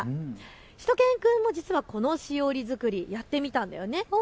しゅと犬くんも実はこのしおり作りやってみたんだよね。